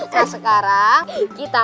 nah sekarang kita